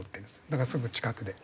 だからすぐ近くで。